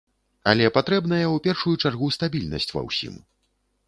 Але патрэбная ў першую чаргу стабільнасць ва ўсім.